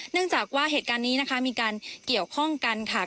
เนื่องจากว่าเหตุการณ์นี้นะคะมีการเกี่ยวข้องกันค่ะ